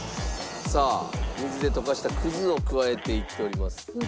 さあ水で溶かしたくずを加えていっております。